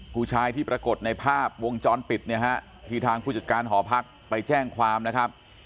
ผู้ชายที่ปรากฏในภาพวงจรปิดเนี่ยฮะที่ทางผู้จัดการหอพักไปแจ้งความนะครับ